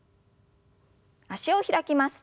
脚を開きます。